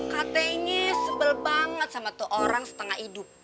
katanya sebel banget sama tuh orang setengah hidup